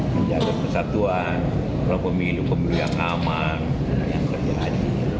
menjaga persatuan melakukan pemilihan aman dan yang terjadi